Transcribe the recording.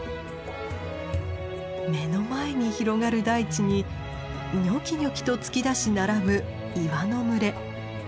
目の前に広がる大地にニョキニョキと突き出し並ぶ岩の群れ。